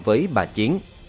với bà chiến